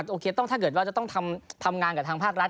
โอเคต้องถ้าเกิดว่าจะต้องทำงานกับทางภาครัฐ